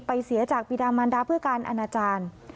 ไปเสียจากปีดามัณฑาเพื่อการอาณาจารย์